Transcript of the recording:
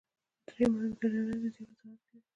درې مهم دلیلونه د دې وضاحت کوي.